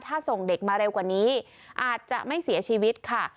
ถ้าส่งเด็กมาเร็วกว่านี้อาจจะไม่เสียชีวิตค่ะ